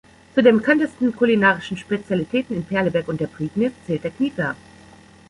Zu den bekanntesten kulinarischen Spezialitäten in Perleberg und der Prignitz zählt der Knieper.